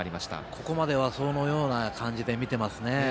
ここまではそのような感じで見ていますね。